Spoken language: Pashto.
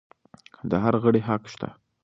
د هر غړي حق شته.